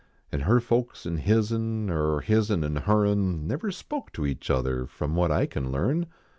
En her folks an hiz n, Er hiz n an her n, Never spoke to each other From what I can learn.